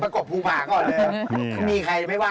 ขอบคุณที่ได้มาก